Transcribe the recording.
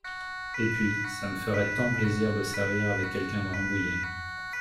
Et puis, ça me ferait tant plaisir de servir avec quelqu’un de Rambouillet…